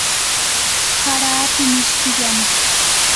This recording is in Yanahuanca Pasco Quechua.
hara api mishkillam.